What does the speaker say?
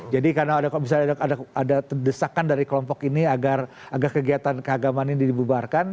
jadi karena ada kalau misalnya ada terdesakkan dari kelompok ini agar kegiatan keagamaan ini dibubarkan